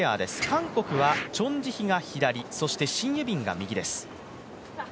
韓国はチョン・ジヒが左シン・ユビンが右です。